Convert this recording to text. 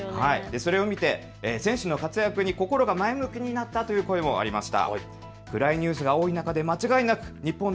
それを見て選手の活躍に心が前向きになったという声もありました。